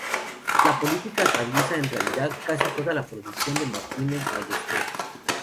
La política atraviesa en realidad casi toda la producción de Martínez Ballesteros.